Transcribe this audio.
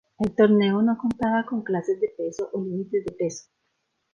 El torneo no contaba con clases de peso o límites de peso.